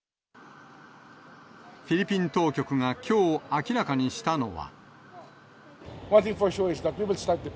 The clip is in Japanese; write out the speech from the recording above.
フィリピン当局がきょう明らかにしたのは。